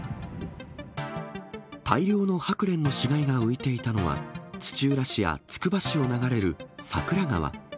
大量のハクレンの死骸が浮いていたのは、土浦市やつくば市を流れる桜川。